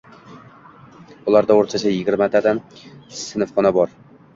Ularda o‘rtacha yigirmatadan sinfxona bor